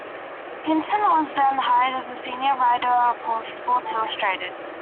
Hinton was then hired as a senior writer for "Sports Illustrated".